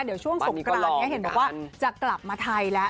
เดี๋ยวช่วงสงกรานนี้เห็นบอกว่าจะกลับมาไทยแล้ว